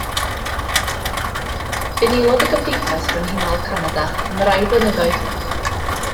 Bu'n aelod o Gymdeithas Frenhinol Canada am rai blynyddoedd.